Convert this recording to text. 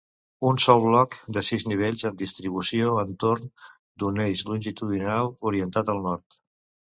Un sol bloc de sis nivells amb distribució entorn d'un eix longitudinal orientat al nord.